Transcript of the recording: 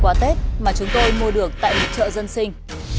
quả tết mà chúng tôi mua được tại chợ dân sinh